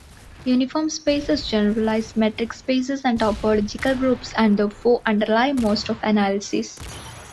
Uniform spaces generalize metric spaces and topological groups and therefore underlie most of analysis.